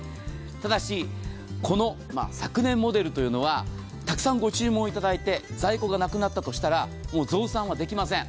ただし、昨年モデルというのはたくさんご注文いただいて在庫がなくなったとしたら増産はできません。